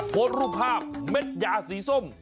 โพสต์รูปภาพเม็ดยาสีส้ม